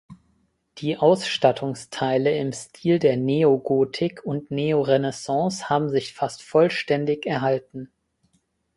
Die Ausstattungsteile im Stil der Neogotik und Neorenaissance haben sich fast vollständig erhalten.